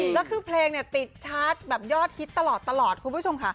และคือเพลงติดชัดยอดฮิตตลอดคุณผู้ชมค่ะ